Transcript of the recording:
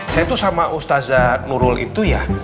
saya tuh sama ustazah nurul itu ya